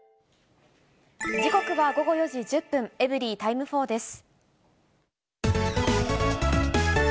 時刻は午後４時１０分、エブリィタイム４です。